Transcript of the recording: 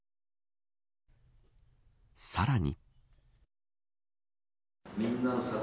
さらに。